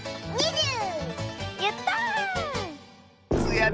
やった！